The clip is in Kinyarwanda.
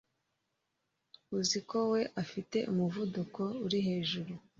uziko we afite umuvuduko uri hejuru